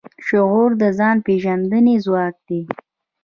شعور د ځان د پېژندنې ځواک دی.